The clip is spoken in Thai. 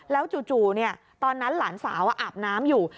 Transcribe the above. แล้วจู่ตอนนั้นหลานสาวอาบน้ำอยู่